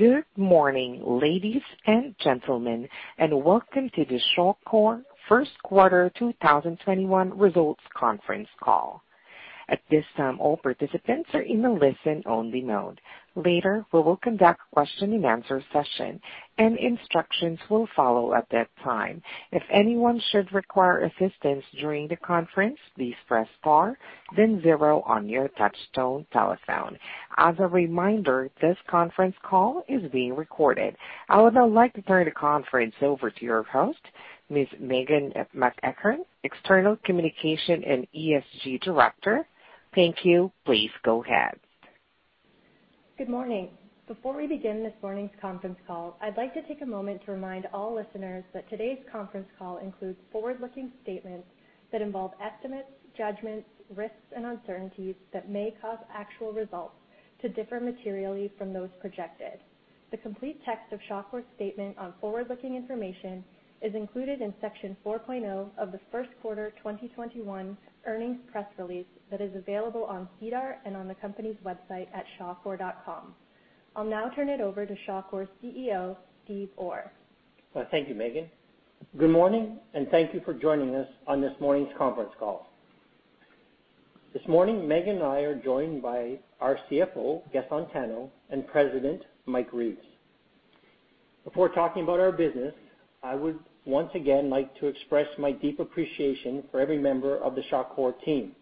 Good morning, ladies and gentlemen, and welcome to the Shawcor First Quarter 2021 Results Conference Call. At this time, all participants are in the listen-only mode. Later we will conduct question and answer session and instructions will follow at that time. If anyone should require assistance during the conference, please press star then zero on your touch-tone telephone. As a reminder, this conference call is being recorded. I would now like to turn the conference over to your host, Ms. Meghan MacEachern, External Communication and ESG Director. Thank you. Please go ahead. Good morning. Before we begin this morning's conference call, I'd like to take a moment to remind all listeners that today's conference call includes forward-looking statements that involve estimates, judgments, risks, and uncertainties that may cause actual results to differ materially from those projected. The complete text of Shawcor's statement on forward-looking information is included in Section 4.0 of the first quarter 2021 earnings press release that is available on SEDAR and on the company's website at shawcor.com. I'll now turn it over to Shawcor's CEO, Steve Orr. Why, thank you, Meghan. Good morning, thank you for joining us on this morning's conference call. This morning, Meghan and I are joined by our CFO, Gaston Tano, and President, Mike Reeves. Before talking about our business, I would once again like to express my deep appreciation for every member of the Shawcor team.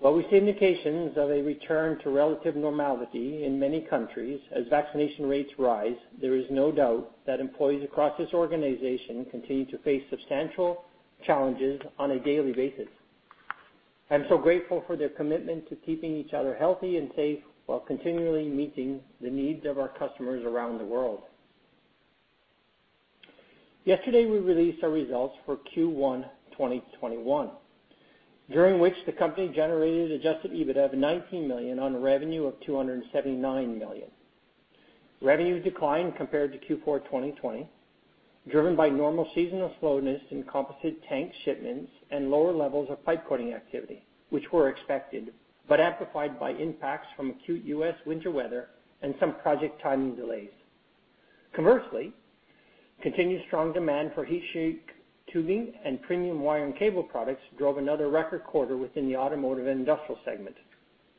While we see indications of a return to relative normality in many countries as vaccination rates rise, there is no doubt that employees across this organization continue to face substantial challenges on a daily basis. I am so grateful for their commitment to keeping each other healthy and safe while continually meeting the needs of our customers around the world. Yesterday, we released our results for Q1 2021, during which the company generated adjusted EBITDA of 19 million on revenue of 279 million. Revenue declined compared to Q4 2020, driven by normal seasonal slowness in composite tank shipments and lower levels of pipe coating activity, which were expected but amplified by impacts from acute U.S. winter weather and some project timing delays. Conversely, continued strong demand for heat shield tubing and premium wire and cable products drove another record quarter within the automotive and industrial segment,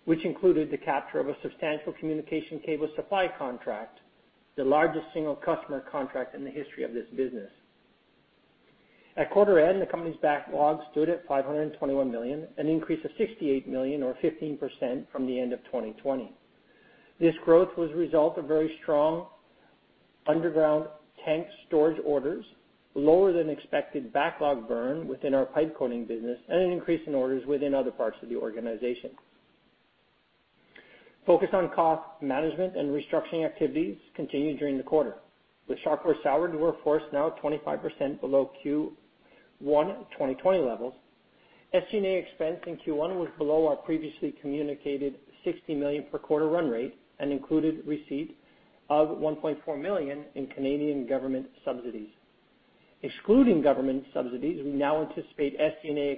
which included the capture of a substantial communication cable supply contract, the largest single customer contract in the history of this business. At quarter end, the company's backlog stood at 521 million, an increase of 68 million or 15% from the end of 2020. This growth was a result of very strong underground tank storage orders, lower than expected backlog burn within our pipe coating business, and an increase in orders within other parts of the organization. Focus on cost management and restructuring activities continued during the quarter. The Shawcor salaried workforce is now at 25% below Q1 2020 levels. SG&A expense in Q1 was below our previously communicated 60 million per quarter run rate and included receipt of 1.4 million in Canadian government subsidies. Excluding government subsidies, we now anticipate SG&A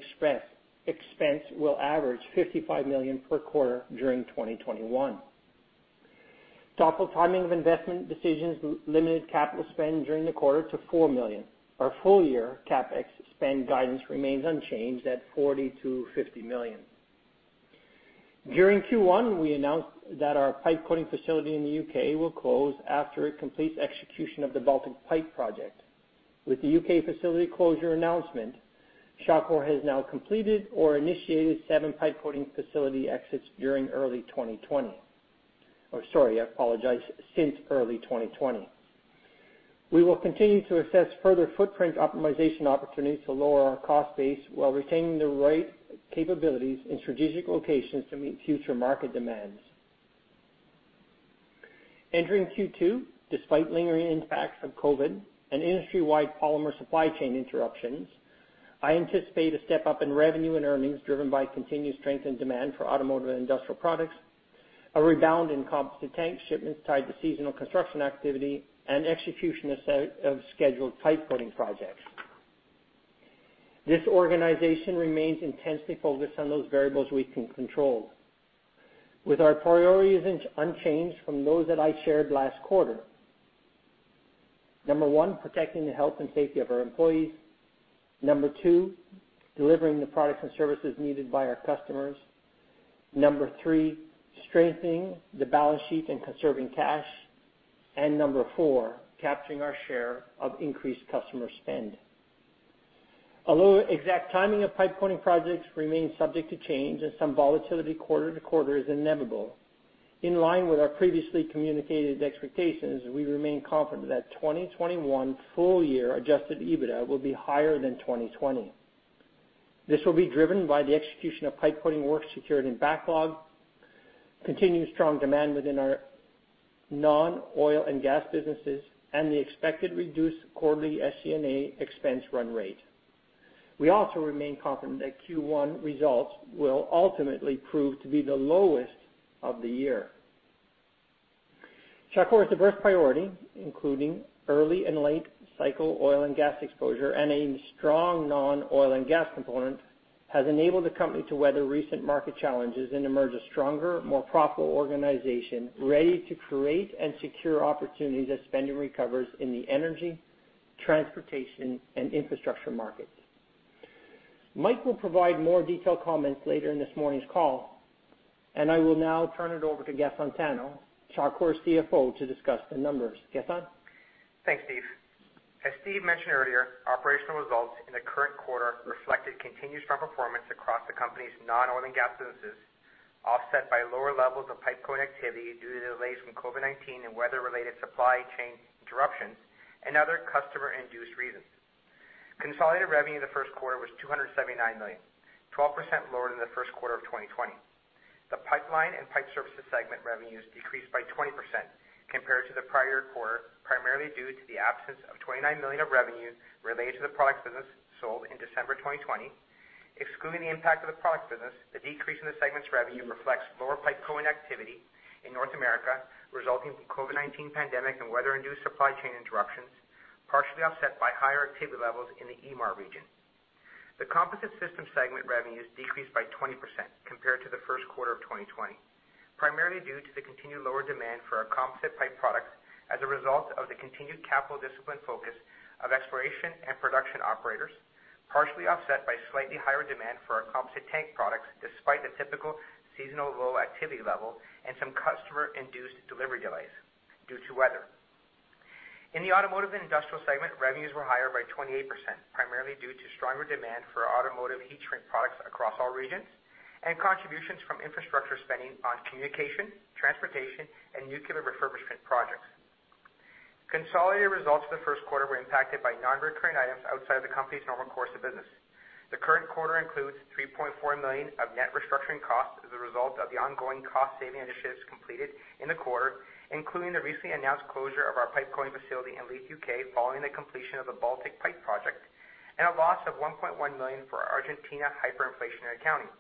expense will average 55 million per quarter during 2021. Careful timing of investment decisions limited capital spend during the quarter to 4 million. Our full-year CapEx spend guidance remains unchanged at 40 million-50 million. During Q1, we announced that our pipe coating facility in the U.K. will close after it completes execution of the Baltic Pipe project. With the U.K. facility closure announcement, Shawcor has now completed or initiated seven pipe coating facility exits during early 2020. Or sorry, I apologize. Since early 2020. We will continue to assess further footprint optimization opportunities to lower our cost base while retaining the right capabilities in strategic locations to meet future market demands. Entering Q2, despite lingering impacts of COVID-19 and industry-wide polymer supply chain interruptions, I anticipate a step up in revenue and earnings driven by continued strength and demand for automotive and industrial products, a rebound in composite tank shipments tied to seasonal construction activity, and execution of scheduled pipe coating projects. This organization remains intensely focused on those variables we can control, with our priorities unchanged from those that I shared last quarter. Number one, protecting the health and safety of our employees. Number two, delivering the products and services needed by our customers. Number three, strengthening the balance sheet and conserving cash. Number four, capturing our share of increased customer spend. Although exact timing of pipe coating projects remains subject to change and some volatility quarter to quarter is inevitable. In line with our previously communicated expectations, we remain confident that 2021 full-year adjusted EBITDA will be higher than 2020. This will be driven by the execution of pipe coating work secured in backlog, continued strong demand within our non-oil and gas businesses, and the expected reduced quarterly SG&A expense run rate. We also remain confident that Q1 results will ultimately prove to be the lowest of the year. Shawcor is a risk priority, including early and late cycle oil and gas exposure and a strong non-oil and gas component has enabled the company to weather recent market challenges and emerge a stronger, more profitable organization ready to create and secure opportunities as spending recovers in the energy, transportation, and infrastructure markets. Mike will provide more detailed comments later in this morning's call, and I will now turn it over to Gaston Tano, Shawcor's CFO, to discuss the numbers. Gaston? Thanks, Steve. As Steve mentioned earlier, operational results in the current quarter reflected continued strong performance across the company's non-oil and gas business, offset by lower levels of pipe coating activity due to delays from COVID-19 and weather-related supply chain disruptions and other customer-induced reasons. Consolidated revenue in the first quarter was 279 million, 12% lower than the first quarter of 2020. The pipeline and pipe services segment revenues decreased by 20% compared to the prior quarter, primarily due to the absence of 29 million of revenue related to the products business sold in December 2020. Excluding the impact of the products business, the decrease in the segment's revenue reflects lower pipe coating activity in North America, resulting from the COVID-19 pandemic and weather-induced supply chain disruptions, partially offset by higher activity levels in the EMEAR region. The Composite Systems Segment revenues decreased by 20% compared to the first quarter of 2020, primarily due to the continued lower demand for our composite pipe products as a result of the continued capital discipline focus of exploration and production operators, partially offset by slightly higher demand for our composite tank products despite the typical seasonal low activity level and some customer-induced delivery delays due to weather. In the Automotive Industrial Segment, revenues were higher by 28%, primarily due to stronger demand for automotive heat shrink products across all regions and contributions from infrastructure spending on communication, transportation, and nuclear refurbishment projects. Consolidated results for the first quarter were impacted by non-recurring items outside the company's normal course of business. The current quarter includes 3.4 million of net restructuring costs as a result of the ongoing cost-saving initiatives completed in the quarter, including the recently announced closure of our pipe coating facility in Leigh, U.K., following the completion of the Baltic Pipe project, and a loss of 1.1 million for Argentina hyperinflation accounting.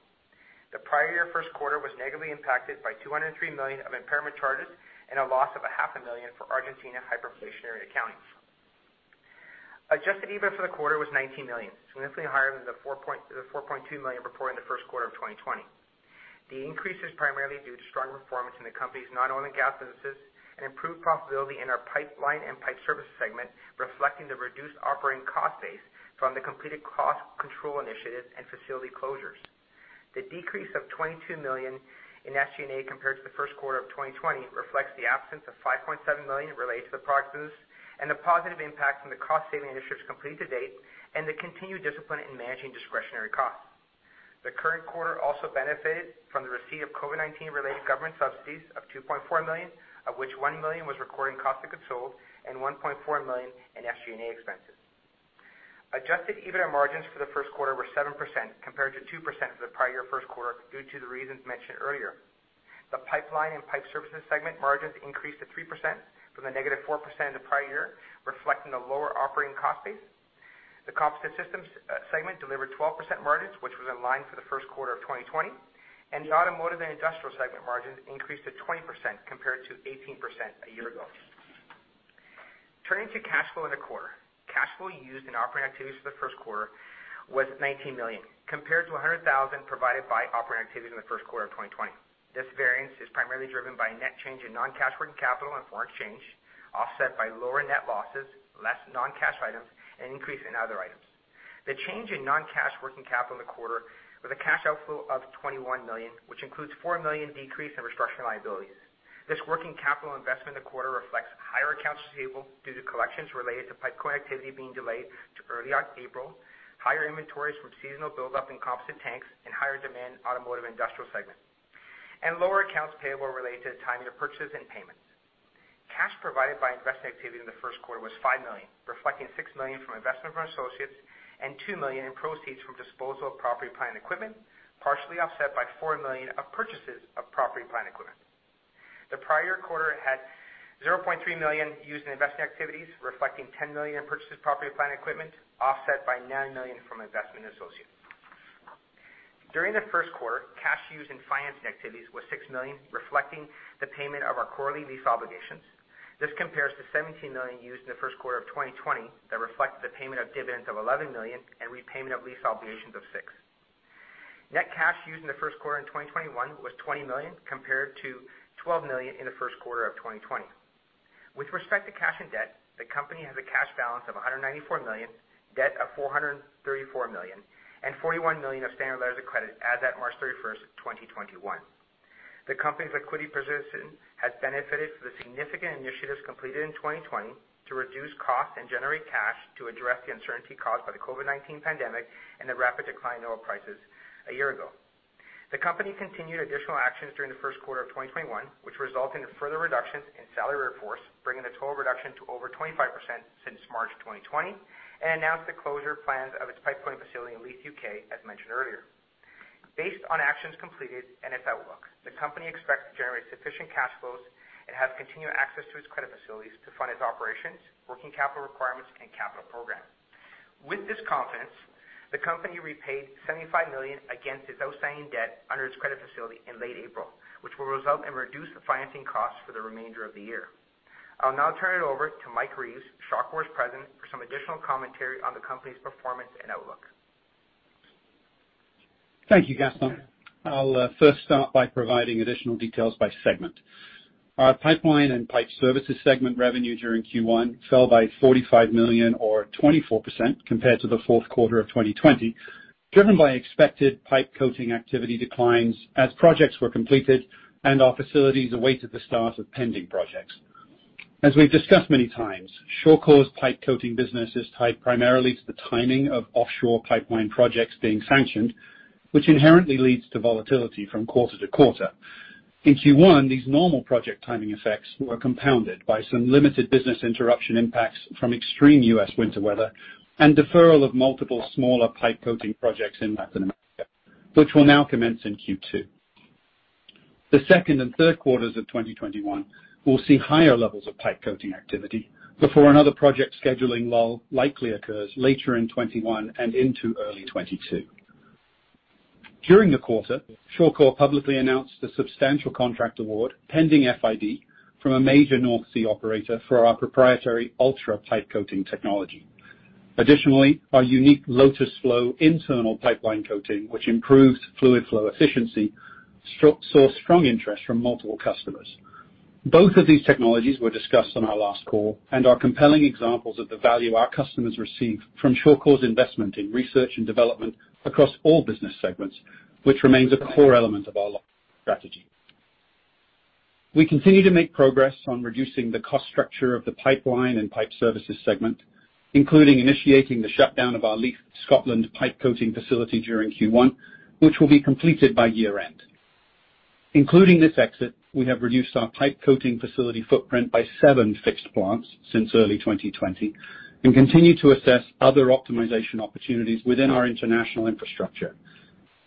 The prior year first quarter was negatively impacted by 203 million of impairment charges and a loss of 500,000 for Argentina hyperinflationary accounting. Adjusted EBITDA for the quarter was 19 million, significantly higher than the 4.2 million reported in the first quarter of 2020. The increase is primarily due to strong performance in the company's non-oil and gas business and improved profitability in our pipeline and pipe service segment, reflecting the reduced operating cost base from the completed cost control initiatives and facility closures. The decrease of 22 million in SG&A compared to the first quarter of 2020 reflects the absence of 5.7 million related to the products business and a positive impact from the cost-saving initiatives completed to date and the continued discipline in managing discretionary costs. The current quarter also benefited from the receipt of COVID-19 related government subsidies of 2.4 million, of which 1 million was recorded in cost of controls and 1.4 million in SG&A expenses. Adjusted EBITDA margins for the first quarter were 7% compared to 2% for the prior first quarter, due to the reasons mentioned earlier. The pipeline and pipe services segment margins increased to 3% from the -4% of prior year, reflecting a lower operating cost base. The composite systems segment delivered 12% margins, which was in line for the first quarter 2020, and the automotive and industrial segment margins increased to 20% compared to 18% a year ago. Turning to cash flow in the quarter. Cash flow used in operating activities for the first quarter was 19 million, compared to 100,000 provided by operating activities in first quarter 2020. This variance is primarily driven by a net change in non-cash working capital and foreign exchange, offset by lower net losses, less non-cash items, and increase in other items. The change in non-cash working capital in the quarter with a cash outflow of 21 million, which includes a 4 million decrease in restructuring liabilities. This working capital investment in the quarter reflects higher accounts receivable due to collections related to pipe connectivity being delayed to early April, higher inventories from seasonal buildup in composite tanks, and higher demand in automotive industrial segments, and lower accounts payable related to timing of purchasing payments. Cash provided by investing activity in the first quarter was 5 million, reflecting 6 million from investment from associates and 2 million in proceeds from disposal of property, plant, and equipment, partially offset by 4 million of purchases of property and plant equipment. The prior quarter had 0.3 million used in investing activities, reflecting 10 million in purchase of property and plant equipment, offset by 9 million from investment in associates. During the first quarter, cash used in financing activities was 6 million, reflecting the payment of our quarterly lease obligations. This compares to 17 million used in the first quarter of 2020 that reflects the payment of dividends of 11 million and repayment of lease obligations of 6 million. Net cash used in the first quarter of 2021 was 20 million, compared to 12 million in the first quarter of 2020. With respect to cash and debt, the company has a cash balance of 194 million, debt of 434 million, and 41 million of standard letter of credit as at March 31st, 2021. The company's equity position has benefited from the significant initiatives completed in 2020 to reduce costs and generate cash to address the uncertainty caused by the COVID-19 pandemic and the rapid decline in oil prices a year ago. The company continued additional actions during the first quarter of 2021, which resulted in further reductions in salary workforce, bringing the total reduction to over 25% since March 2020, and announced the closure plans of its pipe coating facility in Leigh, U.K., as mentioned earlier. Based on actions completed and its outlook, the company expects to generate sufficient cash flows and have continued access to its credit facilities to fund its operations, working capital requirements, and capital programs. With this confidence, the company repaid 75 million against its outstanding debt under its credit facility in late April, which will result in reduced financing costs for the remainder of the year. I'll now turn it over to Mike Reeves, Shawcor's President, for some additional commentary on the company's performance and outlook. Thank you, Gaston. I'll first start by providing additional details by segment. Our pipeline and pipe services segment revenues during Q1 fell by 45 million, or 24%, compared to the fourth quarter of 2020, driven by expected pipe coating activity declines as projects were completed and our facilities awaited the start of pending projects. As we've discussed many times, Shawcor's pipe coating business is tied primarily to the timing of offshore pipeline projects being sanctioned, which inherently leads to volatility from quarter to quarter. In Q1, these normal project timing effects were compounded by some limited business interruption impacts from extreme U.S. winter weather and deferral of multiple smaller pipe coating projects in Latin America, which will now commence in Q2. The second and third quarters of 2021 will see higher levels of pipe coating activity before another project scheduling lull likely occurs later in 2021 and into early 2022. During the quarter, Shawcor publicly announced a substantial contract award pending FID from a major North Sea operator for our proprietary ultra pipe coating technology. Additionally, our unique LotusFlo internal pipeline coating, which improves fluid flow efficiency, saw strong interest from multiple customers. Both of these technologies were discussed on our last call and are compelling examples of the value our customers receive from Shawcor's investment in research and development across all business segments, which remains a core element of our strategy. We continue to make progress on reducing the cost structure of the pipeline and pipe services segment, including initiating the shutdown of our Leigh, Scotland pipe coating facility during Q1, which will be completed by year-end. Including this exit, we have reduced our pipe coating facility footprint by seven fixed plants since early 2020 and continue to assess other optimization opportunities within our international infrastructure.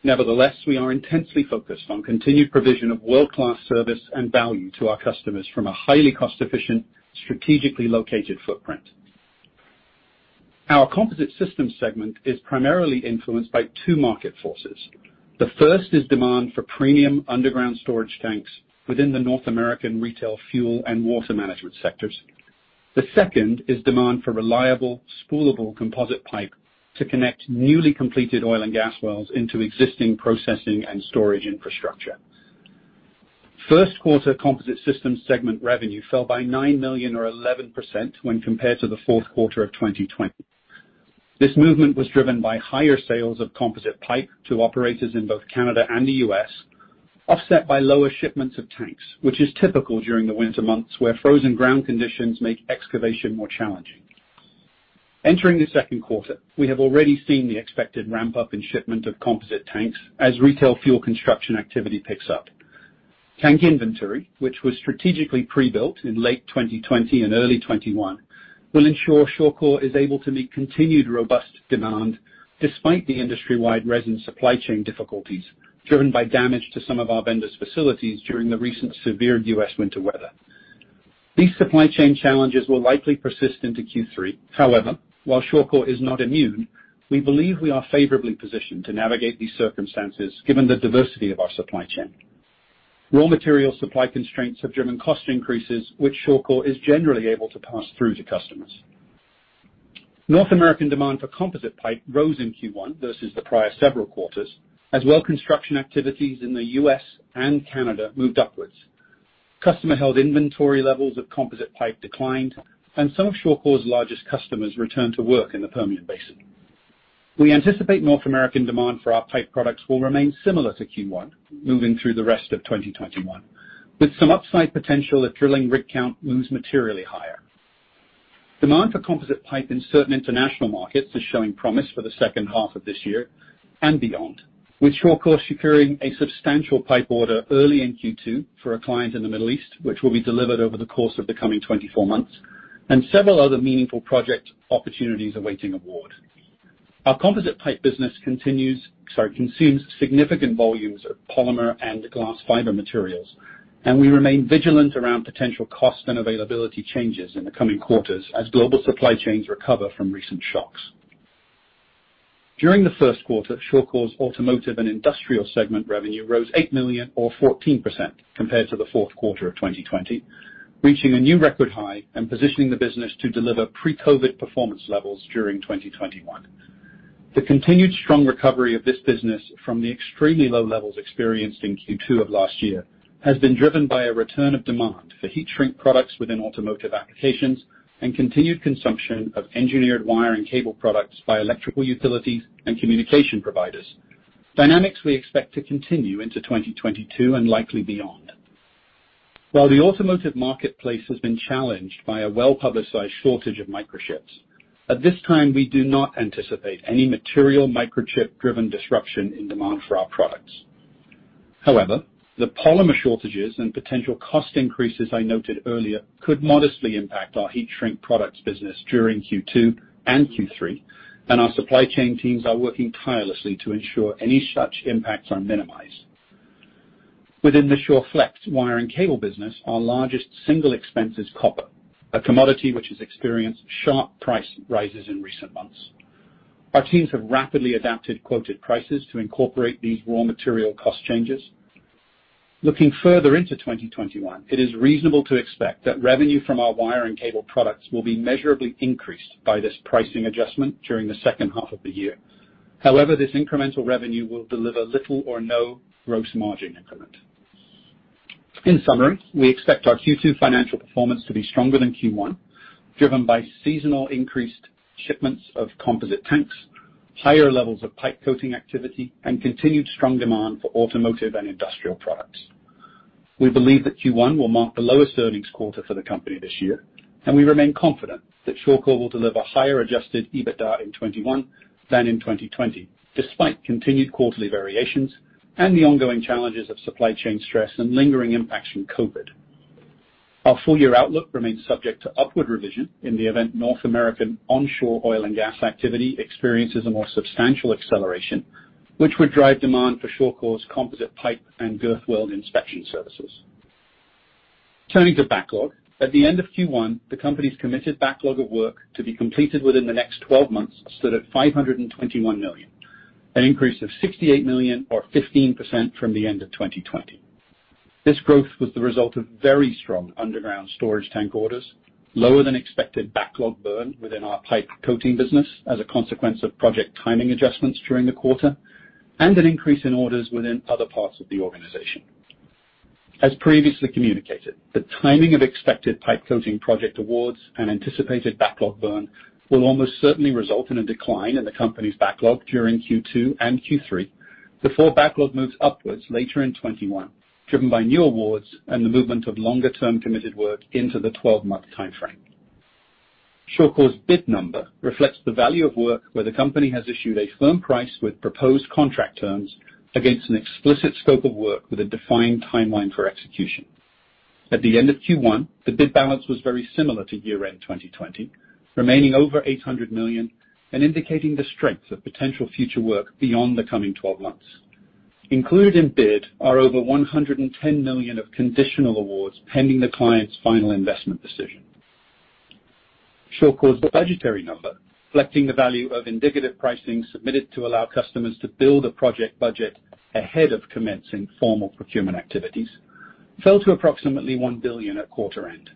Nevertheless, we are intensely focused on continued provision of world-class service and value to our customers from a highly cost-efficient, strategically located footprint. Our Composite Systems segment is primarily influenced by two market forces. The first is demand for premium underground storage tanks within the North American retail fuel and water management sectors. The second is demand for reliable spoolable composite pipe to connect newly completed oil and gas wells into existing processing and storage infrastructure. First quarter Composite Systems segment revenue fell by 9 million, or 11%, when compared to the fourth quarter of 2020. This movement was driven by higher sales of composite pipe to operators in both Canada and the U.S., offset by lower shipments of tanks, which is typical during the winter months where frozen ground conditions make excavation more challenging. Entering the second quarter, we have already seen the expected ramp-up in shipment of composite tanks as retail fuel construction activity picks up. Tank inventory, which was strategically pre-built in late 2020 and early 2021, will ensure Shawcor is able to meet continued robust demand despite the industry-wide resin supply chain difficulties driven by damage to some of our vendors' facilities during the recent severe U.S. winter weather. These supply chain challenges will likely persist into Q3. While Shawcor is not immune, we believe we are favorably positioned to navigate these circumstances given the diversity of our supply chain. Raw material supply constraints have driven cost increases, which Shawcor is generally able to pass through to customers. North American demand for composite pipe rose in Q1 versus the prior several quarters as well construction activities in the U.S. and Canada moved upwards. Customer-held inventory levels of composite pipe declined and some of Shawcor's largest customers returned to work in the Permian Basin. We anticipate North American demand for our pipe products will remain similar to Q1 moving through the rest of 2021, with some upside potential if drilling rig count moves materially higher. Demand for composite pipe in certain international markets is showing promise for the second half of this year and beyond, with Shawcor securing a substantial pipe order early in Q2 for a client in the Middle East, which will be delivered over the course of the coming 24 months, and several other meaningful project opportunities awaiting award. Our composite pipe business consumes significant volumes of polymer and glass fiber materials, and we remain vigilant around potential cost and availability changes in the coming quarters as global supply chains recover from recent shocks. During the first quarter, Shawcor's automotive and industrial segment revenue rose 8 million or 14% compared to the fourth quarter of 2020, reaching a new record high and positioning the business to deliver pre-COVID-19 performance levels during 2021. The continued strong recovery of this business from the extremely low levels experienced in Q2 of last year has been driven by a return of demand for heat shrink products within automotive applications and continued consumption of engineered wire and cable products by electrical utilities and communication providers, dynamics we expect to continue into 2022 and likely beyond. While the automotive marketplace has been challenged by a well-publicized shortage of microchips, at this time, we do not anticipate any material microchip-driven disruption in demand for our products. However, the polymer shortages and potential cost increases I noted earlier could modestly impact our heat shrink products business during Q2 and Q3, and our supply chain teams are working tirelessly to ensure any such impacts are minimized. Within the Shawflex wire and cable business, our largest single expense is copper, a commodity which has experienced sharp price rises in recent months. Our teams have rapidly adapted quoted prices to incorporate these raw material cost changes. Looking further into 2021, it is reasonable to expect that revenue from our wire and cable products will be measurably increased by this pricing adjustment during the second half of the year. However, this incremental revenue will deliver little or no gross margin increment. In summary, we expect our Q2 financial performance to be stronger than Q1, driven by seasonal increased shipments of composite tanks, higher levels of pipe coating activity, and continued strong demand for automotive and industrial products. We believe that Q1 will mark the lowest earnings quarter for the company this year, and we remain confident that Shawcor will deliver higher adjusted EBITDA in 2021 than in 2020, despite continued quarterly variations and the ongoing challenges of supply chain stress and lingering impacts of COVID. Our full-year outlook remains subject to upward revision in the event North American onshore oil and gas activity experiences a more substantial acceleration, which would drive demand for Shawcor's composite pipe and girth weld inspection services. Turning to backlog. At the end of Q1, the company's committed backlog of work to be completed within the next 12 months stood at 521 million, an increase of 68 million or 15% from the end of 2020. This growth was the result of very strong underground storage tank orders, lower than expected backlog burn within our pipe coating business as a consequence of project timing adjustments during the quarter, and an increase in orders within other parts of the organization. As previously communicated, the timing of expected pipe coating project awards and anticipated backlog burn will almost certainly result in a decline in the company's backlog during Q2 and Q3 before backlog moves upwards later in 2021, driven by new awards and the movement of longer-term committed work into the 12-month timeframe. Shawcor's bid number reflects the value of work where the company has issued a firm price with proposed contract terms against an explicit scope of work with a defined timeline for execution. At the end of Q1, the bid balance was very similar to year-end 2020, remaining over 800 million and indicating the strength of potential future work beyond the coming 12 months. Included in bid are over 110 million of conditional awards pending the client's final investment decision. Shawcor's budgetary number, reflecting the value of indicative pricing submitted to allow customers to build a project budget ahead of commencing formal procurement activities, fell to approximately 1 billion at quarter end,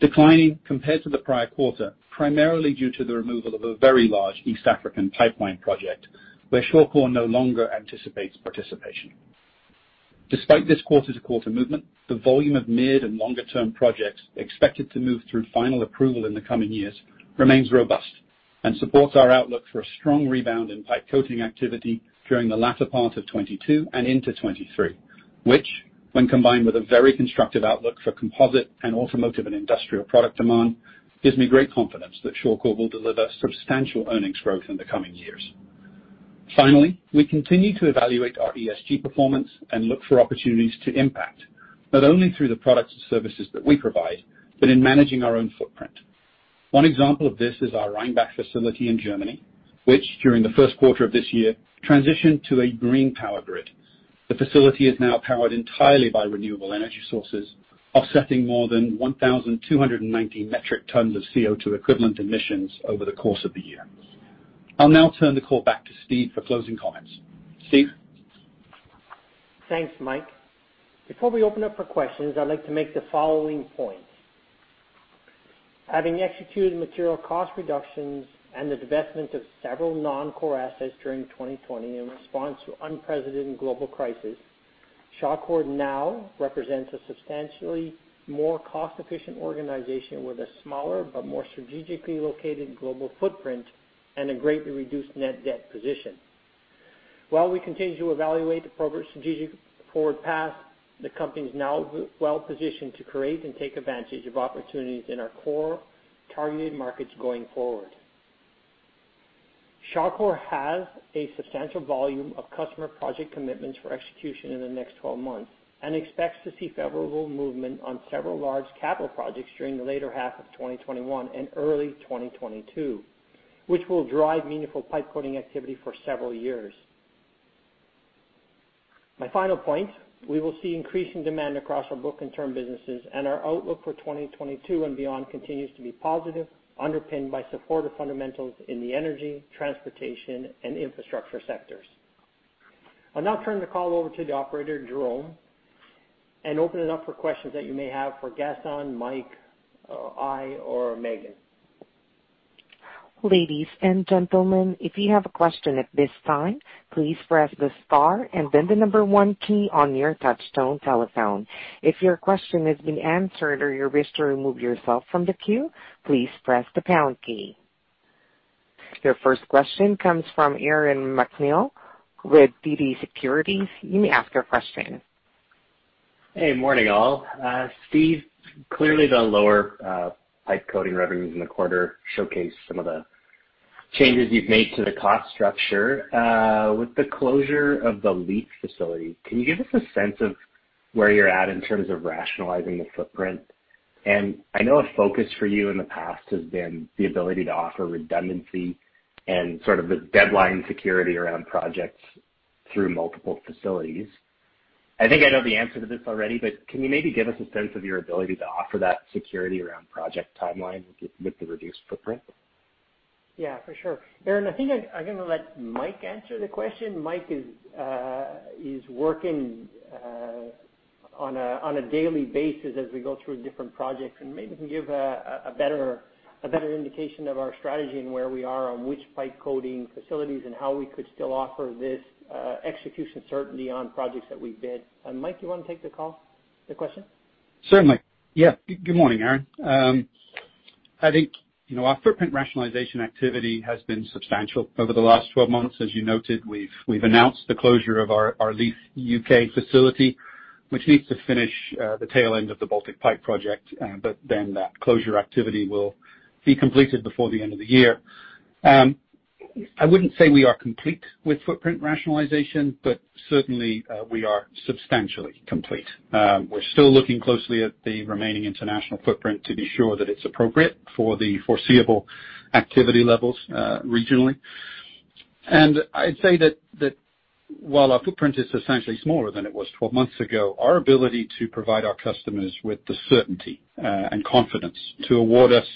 declining compared to the prior quarter, primarily due to the removal of a very large East African pipeline project where Shawcor no longer anticipates participation. Despite this quarter-to-quarter movement, the volume of mid and longer-term projects expected to move through final approval in the coming years remains robust and supports our outlook for a strong rebound in pipe coating activity during the latter part of 2022 and into 2023, which, when combined with a very constructive outlook for composite and automotive and industrial product demand, gives me great confidence that Shawcor will deliver substantial earnings growth in the coming years. Finally, we continue to evaluate our ESG performance and look for opportunities to impact, not only through the products and services that we provide, but in managing our own footprint. One example of this is our Rheinbach facility in Germany, which during the first quarter of this year transitioned to a green power grid. The facility is now powered entirely by renewable energy sources, offsetting more than 1,290 metric tons of CO2 equivalent emissions over the course of the year. I'll now turn the call back to Steve for closing comments. Steve? Thanks, Mike. Before we open up for questions, I'd like to make the following points. Having executed material cost reductions and the divestment of several non-core assets during 2020 in response to unprecedented global crisis, Shawcor now represents a substantially more cost-efficient organization with a smaller but more strategically located global footprint and a greatly reduced net debt position. While we continue to evaluate the appropriate strategic forward path, the company is now well-positioned to create and take advantage of opportunities in our core targeted markets going forward. Shawcor has a substantial volume of customer project commitments for execution in the next 12 months and expects to see favorable movement on several large capital projects during the latter half of 2021 and early 2022, which will drive meaningful pipe coating activity for several years. My final point, we will see increasing demand across our book-and-turn businesses, and our outlook for 2022 and beyond continues to be positive, underpinned by supportive fundamentals in the energy, transportation, and infrastructure sectors. I'll now turn the call over to the operator, Jerome, and open it up for questions that you may have for Gaston, Mike, I, or Meghan. Ladies and gentlemen, if you have a question at this time, please press the star and then the number one key on your touchtone telephone. If your question has been answered or you wish to remove yourself from the queue, please press the pound key. Your first question comes from Aaron MacNeil with TD Securities. You may ask your question. Hey, morning all. Steve, clearly the lower pipe coating revenues in the quarter showcase some of the changes you've made to the cost structure. With the closure of the Leigh facility, can you give us a sense of where you're at in terms of rationalizing the footprint? I know a focus for you in the past has been the ability to offer redundancy and sort of a deadline security around projects through multiple facilities. I think I know the answer to this already, can you maybe give us a sense of your ability to offer that security around project timelines with the reduced footprint? For sure. Aaron, I think I'm going to let Mike answer the question. Mike is working on a daily basis as we go through different projects, and maybe he can give a better indication of our strategy and where we are on which pipe coating facilities and how we could still offer this execution certainty on projects that we bid. Mike, you want to take the call, the question? Certainly. Yeah. Good morning, Aaron. I think our footprint rationalization activity has been substantial over the last 12 months. As you noted, we've announced the closure of our Leigh, U.K. facility, which needs to finish the tail end of the Baltic Pipe project, but then that closure activity will be completed before the end of the year. I wouldn't say we are complete with footprint rationalization, but certainly we are substantially complete. We're still looking closely at the remaining international footprint to be sure that it's appropriate for the foreseeable activity levels regionally. I'd say that while our footprint is substantially smaller than it was 12 months ago, our ability to provide our customers with the certainty and confidence to award us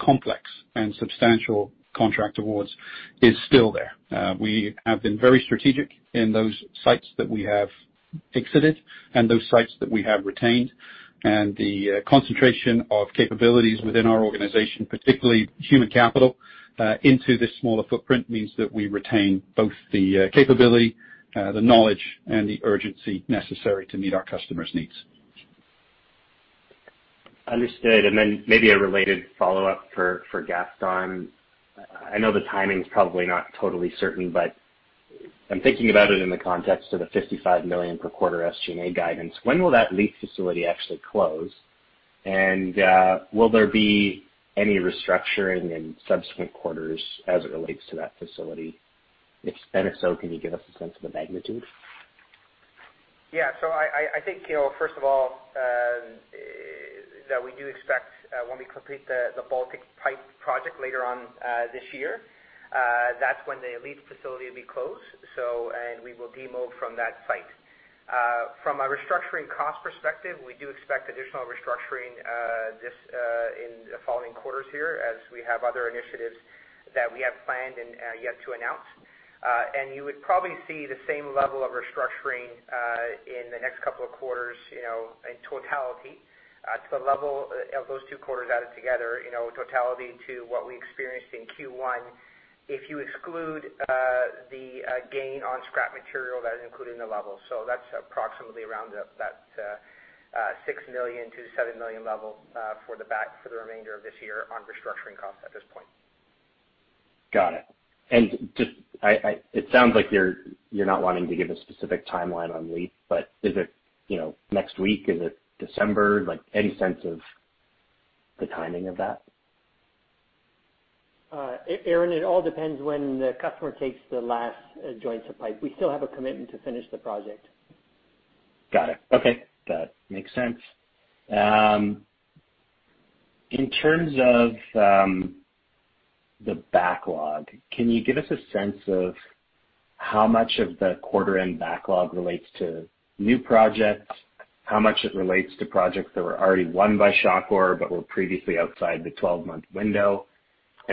complex and substantial contract awards is still there. We have been very strategic in those sites that we have exited and those sites that we have retained, and the concentration of capabilities within our organization, particularly human capital, into this smaller footprint means that we retain both the capability, the knowledge, and the urgency necessary to meet our customers' needs. Understood. Then maybe a related follow-up for Gaston. I know the timing's probably not totally certain, but I'm thinking about it in the context of the 55 million per quarter SG&A guidance. When will that Leigh facility actually close? Will there be any restructuring in subsequent quarters as it relates to that facility? If so, can you give us a sense of the magnitude? Yeah. I think, first of all, that we do expect when we complete the Baltic Pipe project later on this year, that's when the Leigh facility will be closed, and we will demo from that site. From a restructuring cost perspective, we do expect additional restructuring in the following quarters here, as we have other initiatives that we have planned and yet to announce. You would probably see the same level of restructuring in the next couple of quarters, in totality to the level of those two quarters added together, in totality to what we experienced in Q1 if you exclude the gain on scrap material that is included in the level. That's approximately around that 6 million-7 million level for the remainder of this year on restructuring costs at this point. Got it. It sounds like you're not wanting to give a specific timeline on Leigh, but is it next week? Is it December? Any sense of the timing of that? Aaron, it all depends when the customer takes the last joint of pipe. We still have a commitment to finish the project. Got it. Okay. Got it. Makes sense. In terms of the backlog, can you give us a sense of how much of the quarter-end backlog relates to new projects, how much it relates to projects that were already won by Shawcor but were previously outside the 12-month window?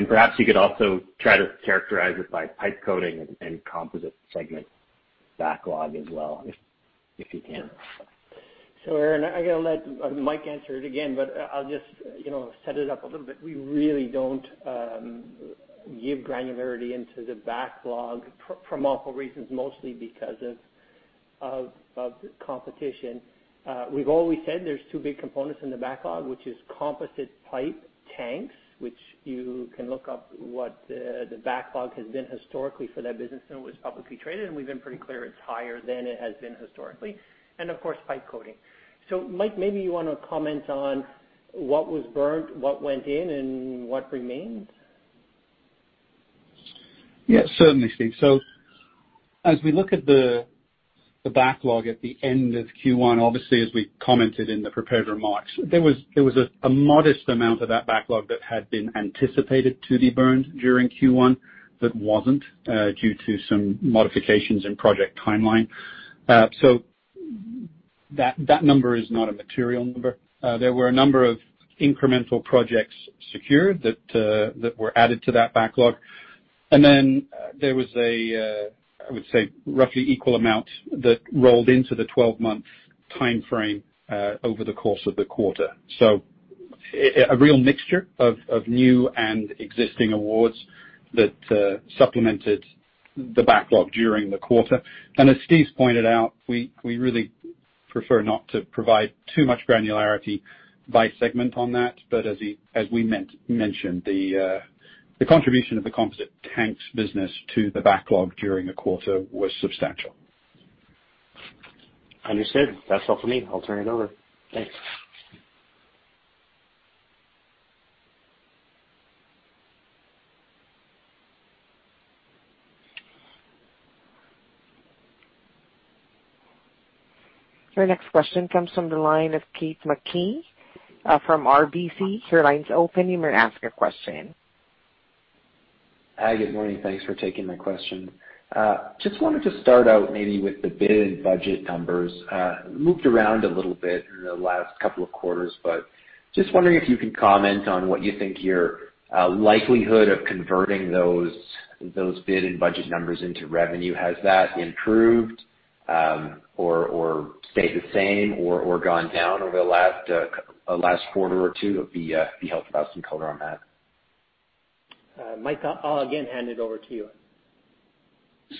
Perhaps you could also try to characterize it by pipe coating and composite segment backlog as well, if you can. Aaron, I'm going to let Mike answer it again, but I'll just set it up a little bit. We really don't give granularity into the backlog for multiple reasons, mostly because of competition. We've always said there's two big components in the backlog, which is composite pipe tanks, which you can look up what the backlog has been historically for that business when it was publicly traded, and we've been pretty clear it's higher than it has been historically. Of course, pipe coating. Mike, maybe you want to comment on what was burnt, what went in, and what remains. Yeah, certainly, Steve. As we look at the backlog at the end of Q1, obviously, as we commented in the prepared remarks, there was a modest amount of that backlog that had been anticipated to be burned during Q1 that wasn't due to some modifications in project timeline. That number is not a material number. There were a number of incremental projects secured that were added to that backlog. There was a, I would say, roughly equal amount that rolled into the 12-month timeframe over the course of the quarter. A real mixture of new and existing awards that supplemented the backlog during the quarter. As Steve pointed out, we really prefer not to provide too much granularity by segment on that. As we mentioned, the contribution of the composite tanks business to the backlog during the quarter was substantial. Understood. That's all for me. I'll turn it over. Thanks. Your next question comes from the line of Keith Mackey from RBC. Your line's open. You may ask a question. Good morning. Thanks for taking my question. Just wanted to start out maybe with the bid and budget numbers. Moved around a little bit in the last couple of quarters, but just wondering if you can comment on what you think your likelihood of converting those bid and budget numbers into revenue. Has that improved, or stayed the same, or gone down over the last quarter or two? It would be helpful to have some color on that. Mike, I'll again hand it over to you.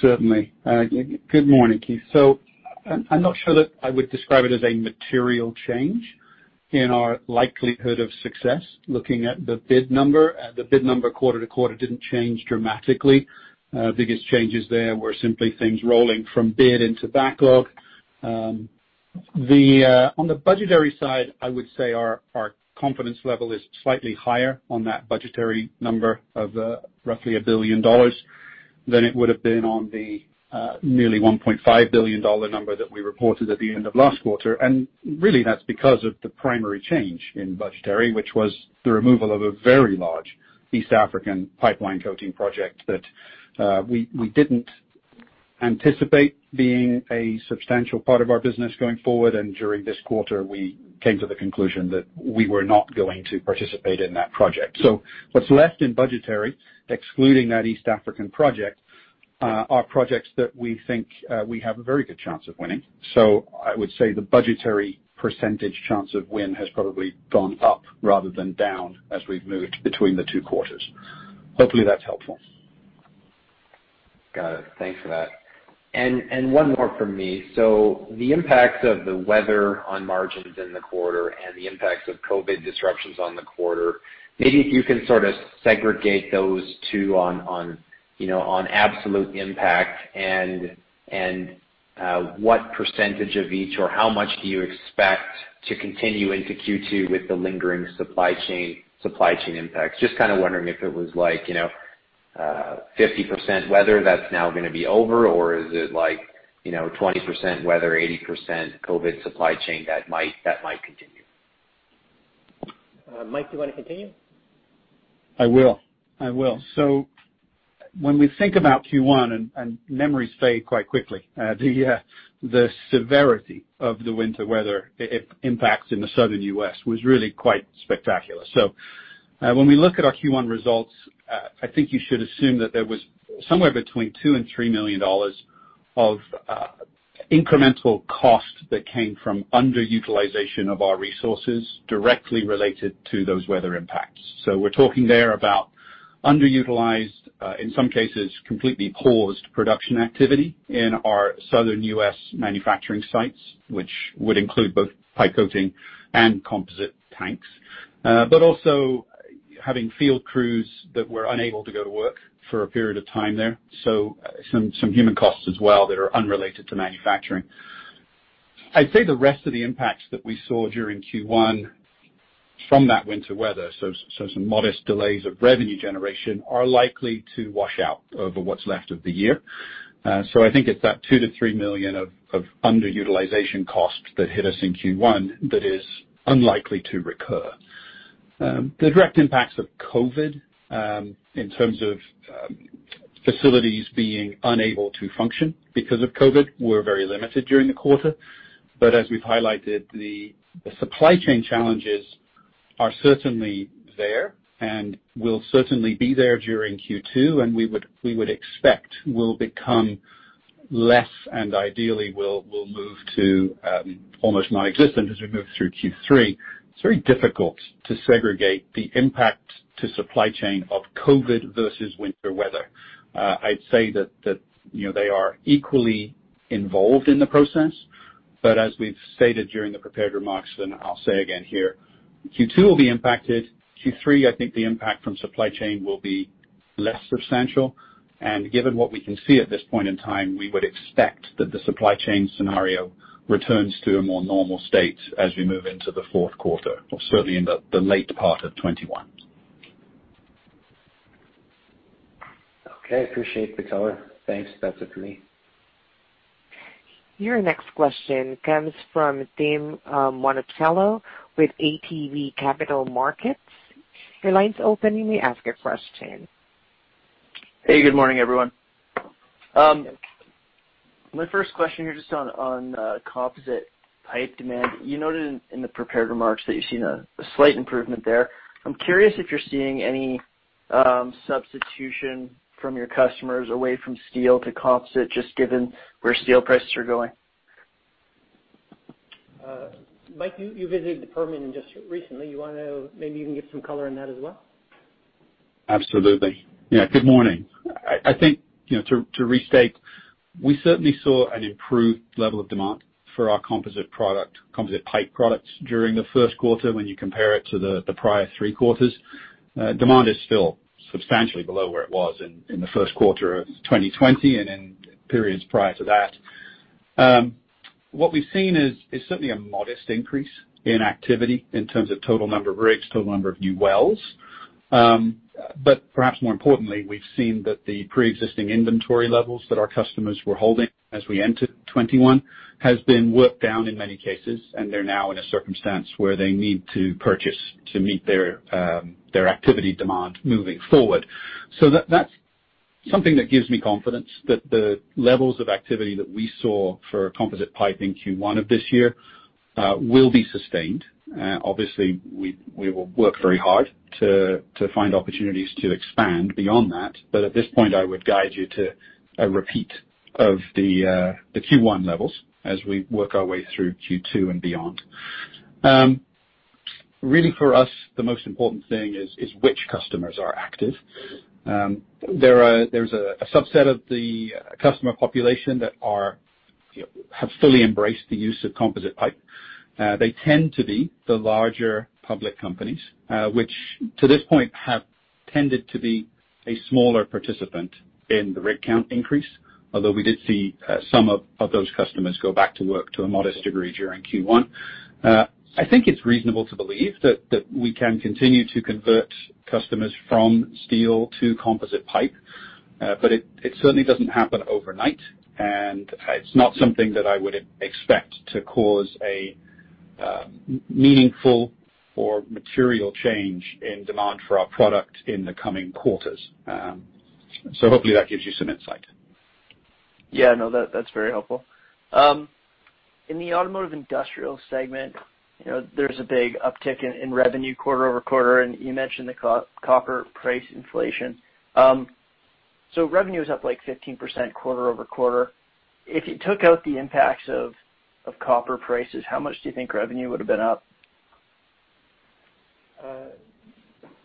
Certainly. Good morning, Keith. I'm not sure that I would describe it as a material change in our likelihood of success looking at the bid number. The bid number quarter to quarter didn't change dramatically. Biggest changes there were simply things rolling from bid into backlog. On the budgetary side, I would say our confidence level is slightly higher on that budgetary number of roughly 1 billion dollars than it would've been on the nearly 1.5 billion dollar number that we reported at the end of last quarter. Really that's because of the primary change in budgetary, which was the removal of a very large East African pipeline coating project that we didn't anticipate being a substantial part of our business going forward. During this quarter, we came to the conclusion that we were not going to participate in that project. What's left in budgetary, excluding that East African project, are projects that we think we have a very good chance of winning. I would say the budgetary percentage chance of win has probably gone up rather than down as we've moved between the two quarters. Hopefully that's helpful. Got it. Thanks for that. One more from me. The impact of the weather on margins in the quarter and the impact of COVID disruptions on the quarter, maybe if you can segregate those two on absolute impact and what percentage of each, or how much do you expect to continue into Q2 with the lingering supply chain impact. Just kind of wondering if it was 50% weather that's now going to be over, or is it 20% weather, 80% COVID supply chain that might continue. Mike, would you want to continue? I will. When we think about Q1, and memories fade quite quickly, the severity of the winter weather impact in the Southern U.S. was really quite spectacular. When we look at our Q1 results, I think you should assume that there was somewhere between 2 million and 3 million dollars of incremental cost that came from underutilization of our resources directly related to those weather impacts. We're talking there about underutilized, in some cases, completely paused production activity in our Southern U.S. manufacturing sites, which would include both pipe coating and composite tanks. Also having field crews that were unable to go to work for a period of time there. Some human costs as well that are unrelated to manufacturing. I'd say the rest of the impacts that we saw during Q1 from that winter weather, some modest delays of revenue generation are likely to wash out over what's left of the year. I think it's that 2 million-3 million of underutilization costs that hit us in Q1 that is unlikely to recur. The direct impacts of COVID, in terms of facilities being unable to function because of COVID, were very limited during the quarter. As we've highlighted, the supply chain challenges are certainly there and will certainly be there during Q2, and we would expect will become less and ideally will move to almost nonexistent as we move through Q3. It's very difficult to segregate the impact to supply chain of COVID versus winter weather. I'd say that they are equally involved in the process, but as we've stated during the prepared remarks, and I'll say again here, Q2 will be impacted. Q3, I think the impact from supply chain will be less substantial. Given what we can see at this point in time, we would expect that the supply chain scenario returns to a more normal state as we move into the fourth quarter, or certainly in the late part of 2021. Okay. I appreciate the color. Thanks. That's it for me. Your next question comes from Tim Monachello with ATB Capital Markets. Your line's open. You may ask your question. Hey, good morning, everyone. My first question here just on composite pipe demand. You noted in the prepared remarks that you've seen a slight improvement there. I'm curious if you're seeing any substitution from your customers away from steel to composite, just given where steel prices are going. Mike, you visited the Permian industry recently. Maybe you can give some color on that as well. Absolutely. Yeah, good morning. I think to restate, we certainly saw an improved level of demand for our composite pipe products during the first quarter when you compare it to the prior three quarters. Demand is still substantially below where it was in the first quarter of 2020 and in periods prior to that. What we've seen is certainly a modest increase in activity in terms of total number of rigs, total number of new wells. Perhaps more importantly, we've seen that the preexisting inventory levels that our customers were holding as we entered 2021 has been worked down in many cases, and they're now in a circumstance where they need to purchase to meet their activity demand moving forward. That's something that gives me confidence that the levels of activity that we saw for composite pipe in Q1 of this year will be sustained. Obviously, we will work very hard to find opportunities to expand beyond that. At this point, I would guide you to a repeat of the Q1 levels as we work our way through Q2 and beyond. Really for us, the most important thing is which customers are active. There's a subset of the customer population that have fully embraced the use of composite pipe. They tend to be the larger public companies, which to this point have tended to be a smaller participant in the rig count increase, although we did see some of those customers go back to work to a modest degree during Q1. I think it's reasonable to believe that we can continue to convert customers from steel to composite pipe. It certainly doesn't happen overnight, and it's not something that I would expect to cause a meaningful or material change in demand for our product in the coming quarters. Hopefully that gives you some insight. Yeah, no, that's very helpful. In the automotive industrial segment, there's a big uptick in revenue quarter-over-quarter, and you mentioned the copper price inflation. Revenue's up 15% quarter-over-quarter. If you took out the impacts of copper prices, how much do you think revenue would have been up?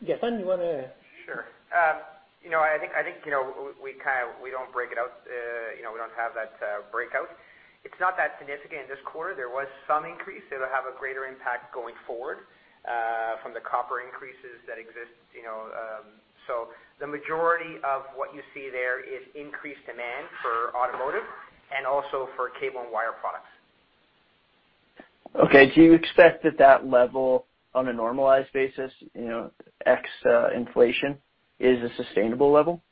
Gaston, you want to- Sure. I think we don't have that breakout. It's not that significant this quarter. There was some increase that'll have a greater impact going forward from the copper increases that exist. The majority of what you see there is increased demand for automotive and also for cable and wire products. Okay. Do you expect that that level on a normalized basis, ex inflation, is a sustainable level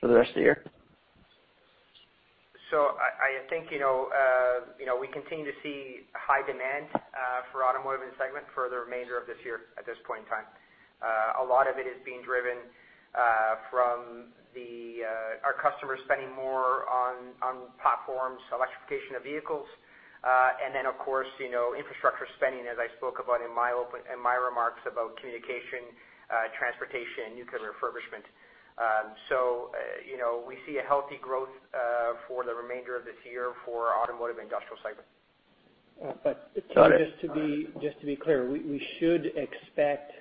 for the rest of the year? I think we continue to see high demand for automotive segment for the remainder of this year at this point in time. A lot of it is being driven from our customers spending more on platforms, electrification of vehicles, and then of course, infrastructure spending, as I spoke about in my remarks about communication, transportation, and nuclear refurbishment. We see a healthy growth for the remainder of this year for our automotive industrial segment. Just to be clear, we should expect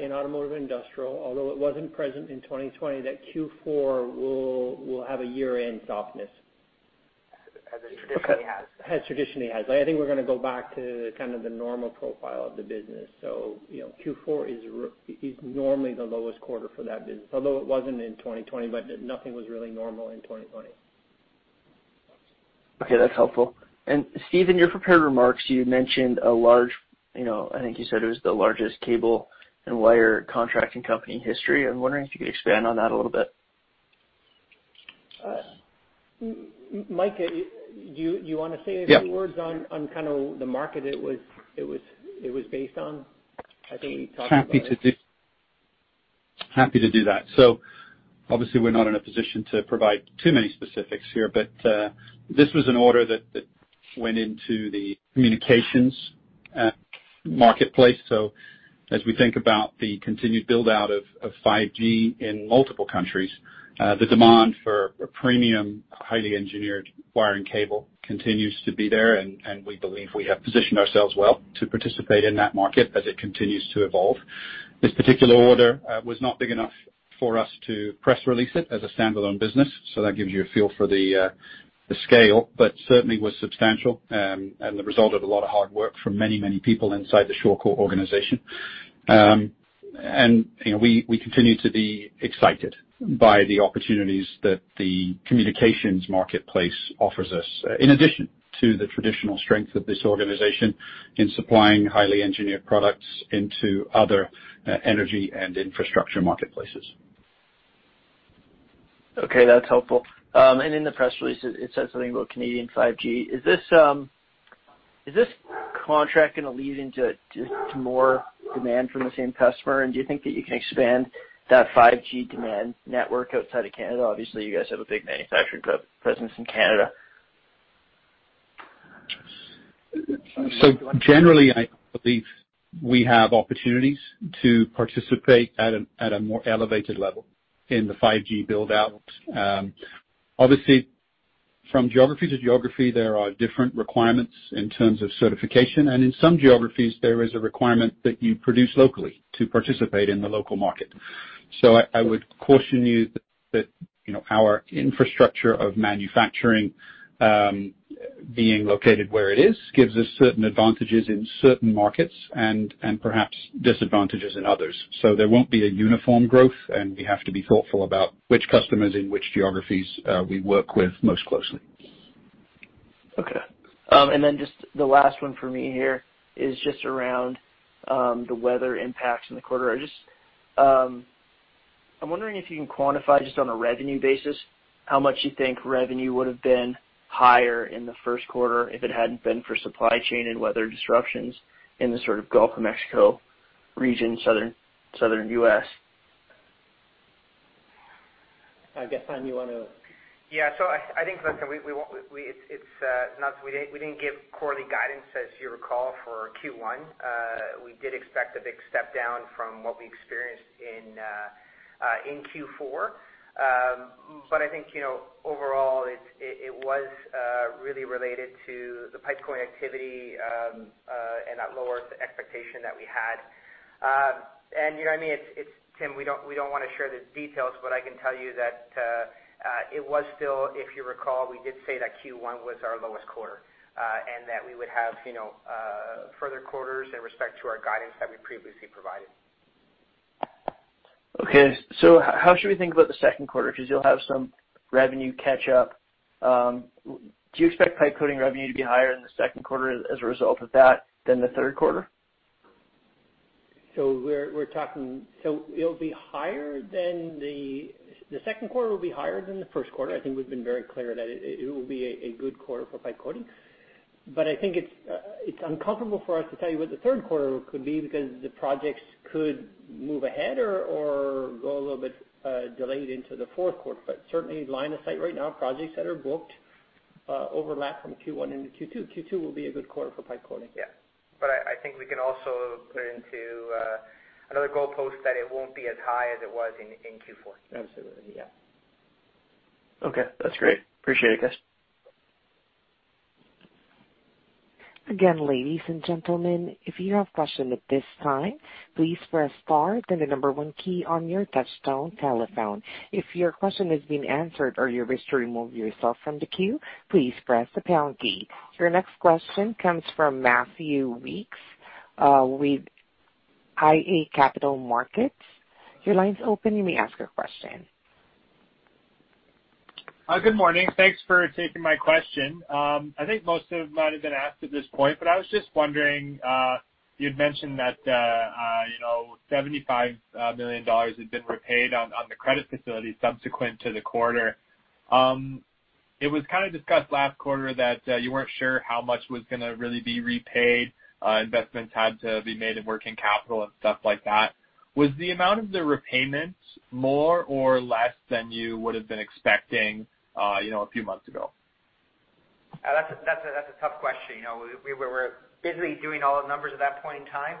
in automotive industrial, although it wasn't present in 2020, that Q4 will have a year-end softness. As it traditionally has. As it traditionally has. I think we're going to go back to the normal profile of the business. Q4 is normally the lowest quarter for that business, although it wasn't in 2020. Nothing was really normal in 2020. Okay, that's helpful. Steve, in your prepared remarks, you mentioned a large, I think you said it was the largest cable and wire contracting company in history. I'm wondering if you could expand on that a little bit. Mike, you want to say a few words on the market it was based on? I think you talked about it. Happy to do that. Obviously, we're not in a position to provide too many specifics here. This was an order that went into the communications marketplace. As we think about the continued build-out of 5G in multiple countries, the demand for premium, highly engineered wire and cable continues to be there, and we believe we have positioned ourselves well to participate in that market as it continues to evolve. This particular order was not big enough for us to press release it as a standalone business, so that gives you a feel for the scale, but certainly was substantial, and the result of a lot of hard work from many people inside the Shawcor organization. We continue to be excited by the opportunities that the communications marketplace offers us, in addition to the traditional strength of this organization in supplying highly engineered products into other energy and infrastructure marketplaces. Okay, that's helpful. In the press release, it said something about Canadian 5G. Is this contract an allusion to more demand from the same customer? Do you think that you can expand that 5G demand network outside of Canada? Obviously, you guys have a big manufacturing presence in Canada. Generally, I believe we have opportunities to participate at a more elevated level in the 5G build-out. Obviously, from geography to geography, there are different requirements in terms of certification, and in some geographies, there is a requirement that you produce locally to participate in the local market. I would caution you that our infrastructure of manufacturing, being located where it is, gives us certain advantages in certain markets and perhaps disadvantages in others. There won't be a uniform growth, and we have to be thoughtful about which customers in which geographies we work with most closely. Okay. Just the last one for me here is just around the weather impacts in the quarter. I'm wondering if you can quantify just on a revenue basis, how much do you think revenue would have been higher in the first quarter if it hadn't been for supply chain and weather disruptions in the Gulf of Mexico region, Southern U.S.? I guess, Gaston, you want to. I think, look, we didn't give quarterly guidance, as you recall, for Q1. We did expect a big step down from what we experienced in Q4. I think overall it was really related to the pipe coating activity, and that lowered the expectation that we had. Tim, we don't want to share the details, but I can tell you that it was still, if you recall, we did say that Q1 was our lowest quarter, and that we would have further quarters in respect to our guidance that we previously provided. How should we think about the second quarter? Because you'll have some revenue catch-up. Do you expect pipe coating revenue to be higher in the second quarter as a result of that than the third quarter? It'll be higher. The second quarter will be higher than the first quarter. I think we've been very clear that it will be a good quarter for pipe coating. I think it's uncomfortable for us to tell you what the third quarter could be, because the projects could move ahead or go a little bit delayed into the fourth quarter. Certainly line of sight right now, projects that are booked overlap from Q1 into Q2. Q2 will be a good quarter for pipe coating. Yeah. I think we can also put into another goalpost that it won't be as high as it was in Q4. Absolutely. Yeah. Okay. That's great. Appreciate it, guys. Your next question comes from Matthew Weekes with iA Capital Markets. Your line is open. You may ask your question. Good morning. Thanks for taking my question. I think most have been asked at this point, but I was just wondering, you had mentioned that 75 million dollars had been repaid on the credit facility subsequent to the quarter. It was kind of discussed last quarter that you weren't sure how much was going to really be repaid. Investments had to be made in working capital and stuff like that. Was the amount of the repayments more or less than you would have been expecting a few months ago? That's a tough question. We were busy doing all the numbers at that point in time.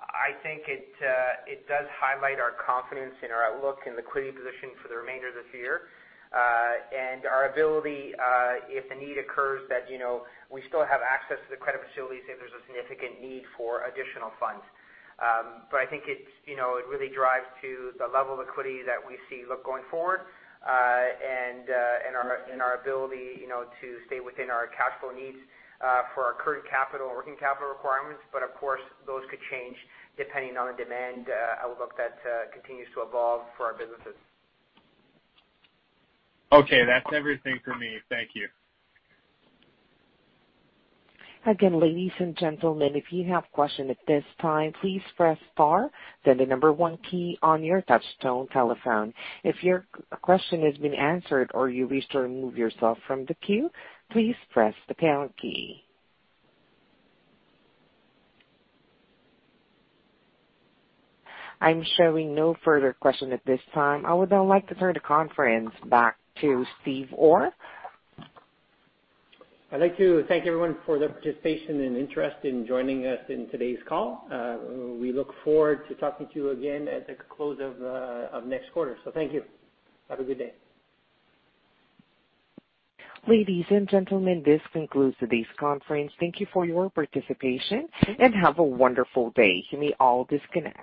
I think it does highlight our confidence in our outlook and liquidity position for the remainder of the year. Our ability, if a need occurs that we still have access to the credit facility if there's a significant need for additional funds. I think it really drives to the level of liquidity that we see going forward, and our ability to stay within our capital needs for our current capital working capital requirements. Of course, those could change depending on demand outlook that continues to evolve for our businesses. Okay. That's everything for me. Thank you. Again, ladies and gentlemen, if you have a question at this time, please press star, then the number one key on your touchtone telephone. If your question has been answered or you wish to remove yourself from the queue, please press the pound key. I'm showing no further questions at this time. I would now like to turn the conference back to Steve Orr. I'd like to thank everyone for their participation and interest in joining us on today's call. We look forward to talking to you again at the close of next quarter. Thank you. Have a good day. Ladies and gentlemen, this concludes today's conference. Thank you for your participation, and have a wonderful day. You may all disconnect.